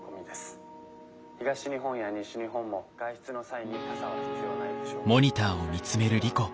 「東日本や西日本も外出の際に傘は必要ないでしょう」。